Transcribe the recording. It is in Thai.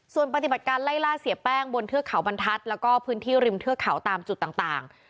ส่วนปฏิบัติการไล่ล่าเสียแป้งบนเทือกเขาบรรทัศน์แล้วก็พื้นที่ริมเทือกเขาตามจุดต่าง